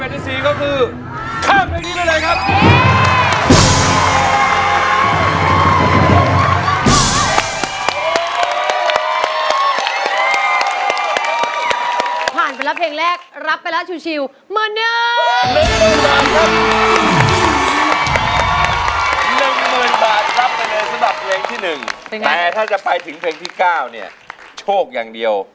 ตัวช่วยแผ่นที่๔ก็คือ